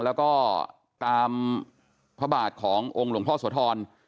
แล้วก็ตามพระบาทขององค์หลวงพ่อโสธร